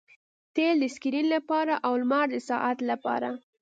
تیل د سکرین لپاره او لمر د ساعت لپاره